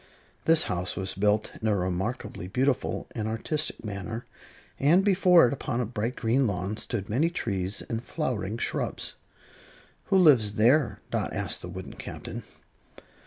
This house was built in a remarkably beautiful and artistic manner, and before it, upon a bright green lawn, stood many trees and flowering shrubs. "Who lives there?" Dot asked the wooden Captain.